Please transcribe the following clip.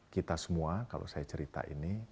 kita semua kalau saya cerita ini